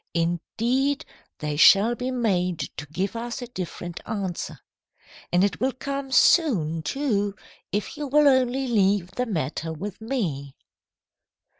Indeed, they shall be made to give us a different answer. And it will come soon, too, if you will only leave the matter with me.'